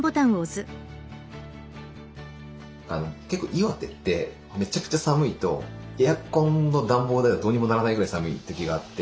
結構岩手ってめちゃくちゃ寒いとエアコンの暖房ではどうにもならないぐらい寒い時があって。